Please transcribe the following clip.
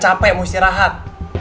mas ini udah selesai